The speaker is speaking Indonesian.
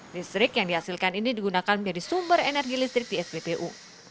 listrik yang dihasilkan ini digunakan menjadi sumber energi listrik di spbu